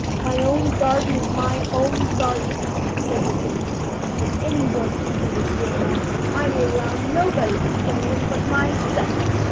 "My own garden is my own garden," said the Giant; "any one can understand that, and I will allow nobody to play in it but myself."